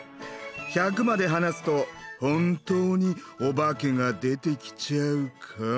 百まで話すと本当にお化けが出てきちゃうかも。